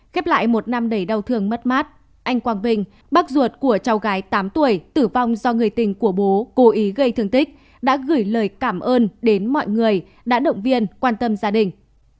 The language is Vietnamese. khép lại một năm đầy đau thương mất mát anh quang vinh bác ruột của cháu gái tám tuổi tử vong do người tình của bố cố ý gây thương tích đã gửi lời cảm ơn đến mọi người đã động viên quan tâm gia đình